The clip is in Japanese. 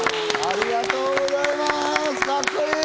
ありがとうございます。